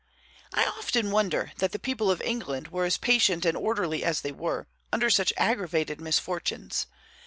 I often wonder that the people of England were as patient and orderly as they were, under such aggravated misfortunes.